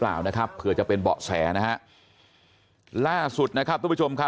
เปล่านะครับเผื่อจะเป็นเบาะแสนะฮะล่าสุดนะครับทุกคนค่ร